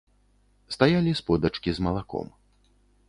Стаялі сподачкі з малаком.